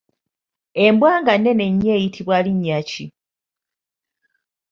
Embwa nga nnene nnyo eyitibwa linnya ki?